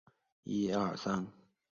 不同的枪械会拥有不同形状的枪托。